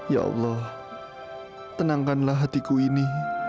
ya allah tenangkanlah hatiku ini